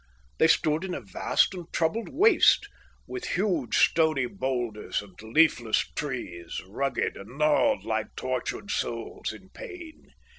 They stood in a vast and troubled waste, with huge stony boulders and leafless trees, rugged and gnarled like tortured souls in pain.